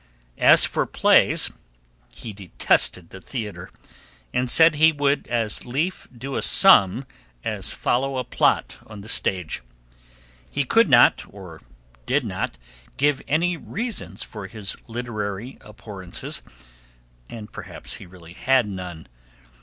As for plays, he detested the theatre, and said he would as lief do a sum as follow a plot on the stage. He could not, or did not, give any reasons for his literary abhorrences, and perhaps he really had none.